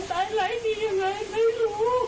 เพราะตอนนี้ไม่รู้ว่าเด็กจะเป็นตายไร้ดีอย่างไรไม่รู้